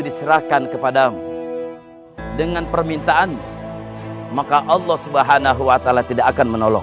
diserahkan kepadamu dengan permintaan maka allah subhanahu wa ta'ala tidak akan menolong